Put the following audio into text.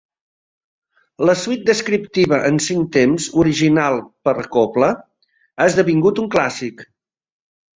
La suite descriptiva en cinc temps, original per a cobla, ha esdevingut un clàssic.